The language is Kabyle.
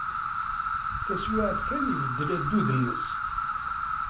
Taswiɛt kan, ibeddel addud-nnes.